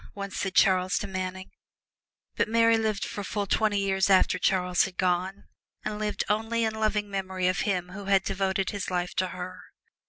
once said Charles to Manning. But Mary lived for full twenty years after Charles had gone, and lived only in loving memory of him who had devoted his life to her.